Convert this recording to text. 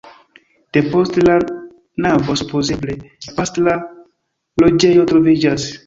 Depost la navo supozeble la pastra loĝejo troviĝas.